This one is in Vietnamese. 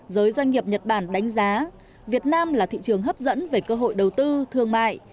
giới doanh nghiệp nhật bản đánh giá việt nam là thị trường hấp dẫn về cơ hội đầu tư thương mại